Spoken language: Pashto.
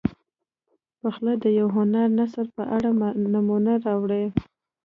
پخپله د یو هنري نثر په اړه نمونه راوړي.